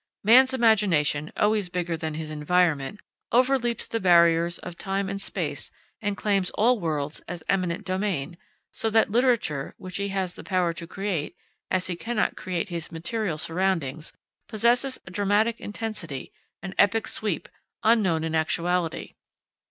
Man's imagination, always bigger than his environment, overleaps the barriers of time and space and claims all worlds as eminent domain, so that literature, which he has the power to create, as he cannot create his material surroundings, possesses a dramatic intensity, an epic sweep, unknown in actuality.